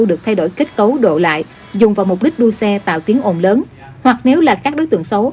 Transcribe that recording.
được thay đổi kết cấu độ lại dùng vào mục đích đua xe tạo tiếng ồn lớn hoặc nếu là các đối tượng xấu